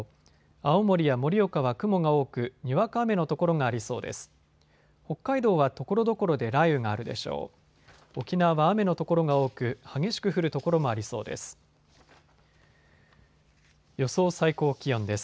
青森や盛岡は雲が多く、にわか雨の所がありそうです。